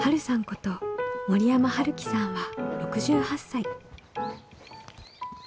こと森山春樹さんは６８歳。